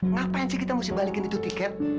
ngapain sih kita mesti balikin itu tiket